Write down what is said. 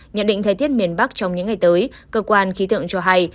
nhận định thời tiết miền bắc trong những ngày tới cơ quan khí tượng cho hay